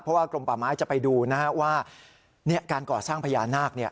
เพราะว่ากลมป่าไม้จะไปดูนะฮะว่าการก่อสร้างพญานาค